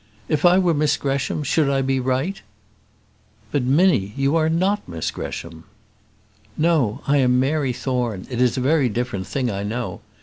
If I were Miss Gresham, should I be right?" "But, Minnie, you are not Miss Gresham." "No, I am Mary Thorne; it is a very different thing, I know.